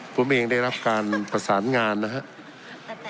ผมเองได้รับการประสานงานนะครับ